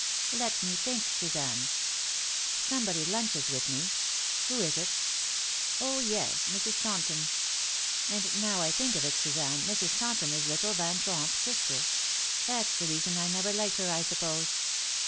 "Let me think, Suzanne. Somebody lunches with me. Who is it? Oh, yes, Mrs. Taunton. And now I think of it, Suzanne, Mrs. Taunton is little Van Tromp's sister. That's the reason I never liked her, I suppose."